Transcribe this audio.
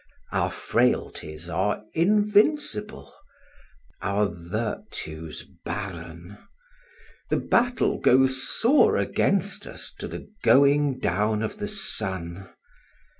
Our frailties are invincible, are virtues barren; the battle goes sore against us to the going down of the sun.